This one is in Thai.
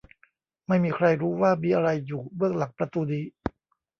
ไม่มีใครรู้ว่ามีอะไรอยู่เบื้องหลังประตูนี้